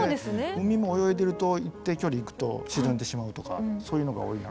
海も泳いでると一定距離行くと沈んでしまうとかそういうのが多い中